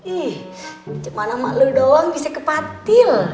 ih cuman ama lu doang bisa kepatil